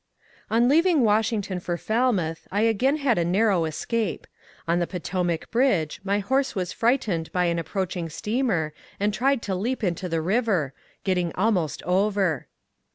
On leaving Washington for Falmouth I again had a narrow escape : on the Potomac bridge my horse was frightened by an approaching steamer and tried to leap into the river, — getting almost over.